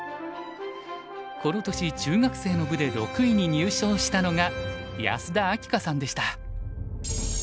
この年中学生の部で６位に入賞したのが安田明夏さんでした。